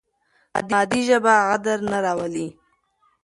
مادي ژبه غدر نه راولي.